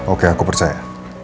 oke aku percaya